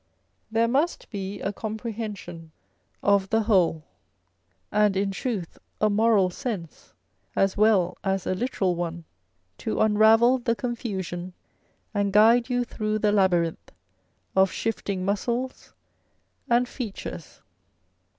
There must be a comprehension of the whole, and in truth a moral sense (as well as a literal one) to unravel the confusion, and guide you through the labyrinth of shifting muscles and features.